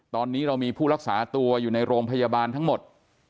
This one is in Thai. ตอนนี้เรามีผู้รักษาตัวอยู่ในโรงพยาบาลทั้งหมด